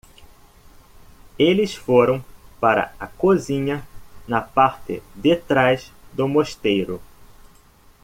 Eles foram para a cozinha na parte de trás do mosteiro.